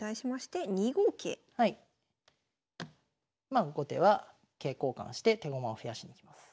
まあ後手は桂交換して手駒を増やしにいきます。